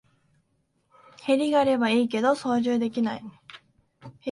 ヘリがあればいいけど操縦できない